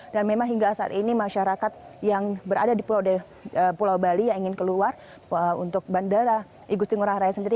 dan memang hingga saat ini masyarakat yang berada di pulau bali yang ingin keluar untuk bandara igu singuraha sendiri